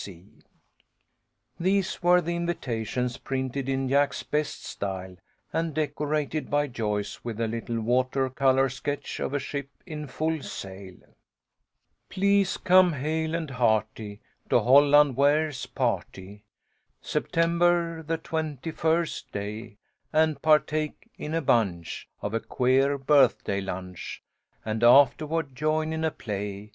A FEAST OF SAILS. 93 These were the invitations, printed in Jack's best style, and decorated by Joyce with a little water colour sketch of a ship in full sail: Please come, hale and hearty, To Holland Ware's party, September, the twenty first day, And partake in a bunch Of a queer birthday lunch, And afterward join in a play.